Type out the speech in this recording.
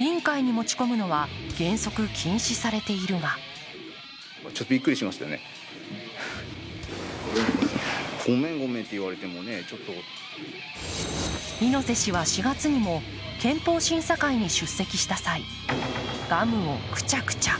委員会に持ち込むのは原則禁止されているが猪瀬氏は４月にも憲法審査会に出席した際、ガムをくちゃくちゃ。